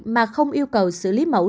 mà không yêu cầu xử lý mẫu